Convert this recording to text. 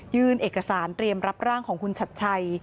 เอกสารเตรียมรับร่างของคุณชัดชัย